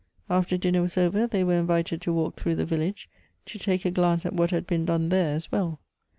After dinner was over they were invited to walk through the village to take a glance at what had been done there as well.